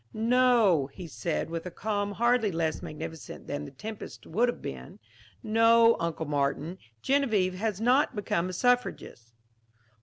"No," he said with a calm hardly less magnificent than the tempest would have been, "no, Uncle Martin, Genevieve has not become a suffragist."